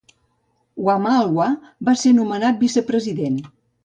Wamalwa va ser nomenat vicepresident.